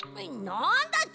なんだち？